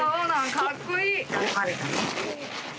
かっこいい！